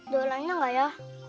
dolanya gak ya